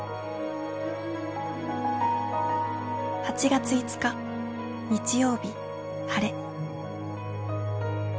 「８月５日日曜日晴れ」。